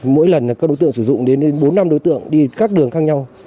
mỗi lần các đối tượng sử dụng đến bốn năm đối tượng đi các đường khác nhau